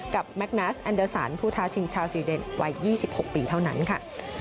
แมคนัสแอนเดอร์สันผู้ท้าชิงชาวซีเดนวัย๒๖ปีเท่านั้นค่ะ